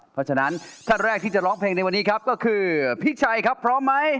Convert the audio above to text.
เพราะฉะนั้นท่านแรกที่จะร้องเพลงในวันนี้ครับก็คือพี่ชัยครับพร้อมไหม